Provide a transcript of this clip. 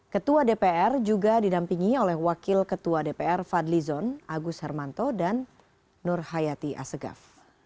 ketua dpr juga didampingi oleh wakil ketua dpr fadli zon agus hermanto dan nur hayati asegaf